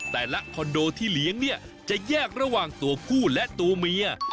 แต่ละคอนโดที่เลี้ยงเนี่ยจะแยกระหว่างตัวผู้และตัวเมีย